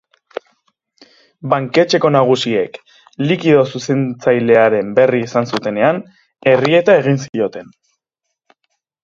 Banketxeko nagusiek, likido zuzentzailearen berri izan zutenean, errieta egin zioten.